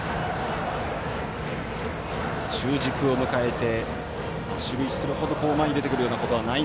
中軸を迎えて守備位置、それほど前に出てくるようなことはない